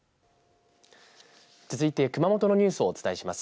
続いて熊本のニュースをお伝えします。